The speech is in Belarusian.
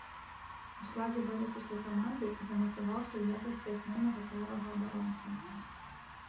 У складзе барысаўскай каманды замацаваўся ў якасці асноўнага правага абаронцы.